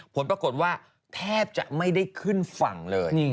ผลปรากฏว่าแทบจะไม่ได้ขึ้นฝั่งเลย